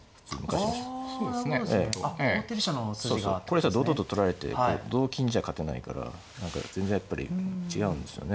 これさ堂々と取られて同金じゃ勝てないから何か全然やっぱり違うんですよね